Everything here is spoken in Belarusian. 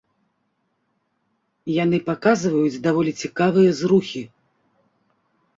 Яны паказваюць даволі цікавыя зрухі.